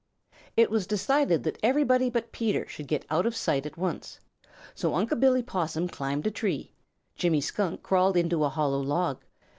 It was decided that everybody but Peter should get out of sight at once. So Unc' Billy Possum climbed a tree. Jimmy Skunk crawled into a hollow log.